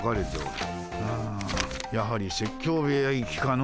うんやはり説教部屋行きかの。